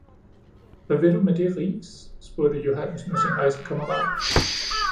"Hvad vil du med de ris?" spurgte Johannes nu sin rejsekammerat.